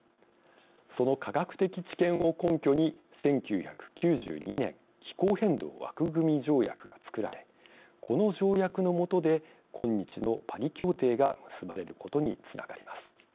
その科学的知見を根拠に１９９２年気候変動枠組条約が作られこの条約の下で今日のパリ協定が結ばれることにつながります。